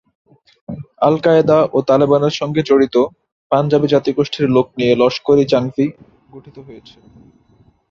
আল Qaeda ও তালেবানের সঙ্গে জড়িত পাঞ্জাবি জাতিগোষ্ঠীর লোক নিয়ে লস্কর-ই-জাংভি গঠিত হয়েছে।